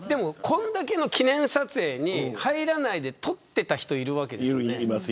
記念撮影に入らないで撮っていた人いるわけですよね。